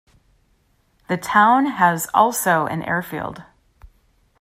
The town has also an airfield.